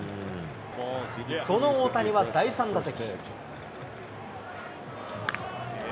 その大谷は第３打席。